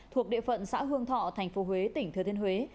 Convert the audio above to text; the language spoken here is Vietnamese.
thuộc địa phận xã hương thọ tp huế tỉnh thừa thiên huế